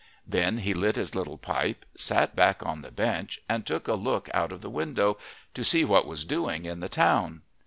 Then he lit his little pipe, sat back on the bench and took a look out of the window to see what was doing in the town.